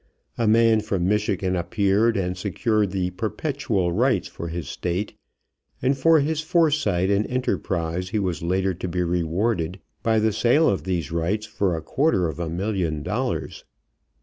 A man from Michigan appeared and secured the perpetual rights for his State, and for his foresight and enterprise he was later to be rewarded by the sale of these rights for a quarter of a million dollars.